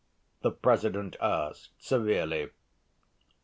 the President asked severely.